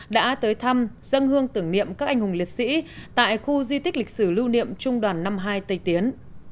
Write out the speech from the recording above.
đã tới thăm dân hương tưởng niệm các anh hùng liệt sĩ tại khu di tích lịch sử lưu niệm trung đoàn năm mươi hai tây tiến